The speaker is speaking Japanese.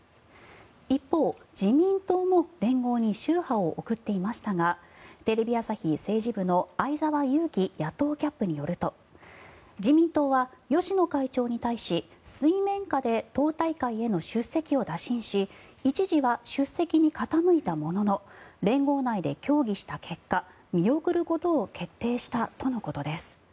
一方、自民党も連合に秋波を送っていましたがテレビ朝日政治部の相沢祐樹野党キャップによると自民党は芳野会長に対し水面下で党大会への出席を打診し一時は出席に傾いたものの連合内で協議した結果見送ることを決定したとのことです。